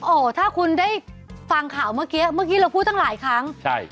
โอ้โหถ้าคุณได้ฟังข่าวเมื่อกี้เมื่อกี้เราพูดตั้งหลายครั้งใช่